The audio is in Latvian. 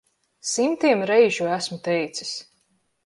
Simtiem reižu esmu teicis.